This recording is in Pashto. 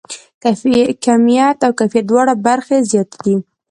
کیمیت او کیفیت دواړه برخې زیاتې دي.